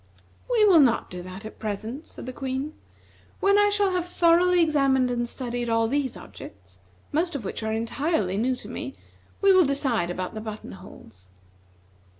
"We will not do that at present," said the Queen. "When I shall have thoroughly examined and studied all these objects, most of which are entirely new to me, we will decide about the button holes."